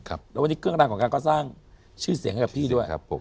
แล้ววันนี้เครื่องรางของขังก็สร้างชื่อเสียงให้พี่ด้วย